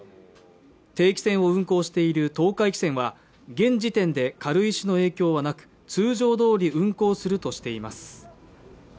定期船を運航している東海汽船は、現時点で軽石の影響はなく、通常どおり運航するとしています。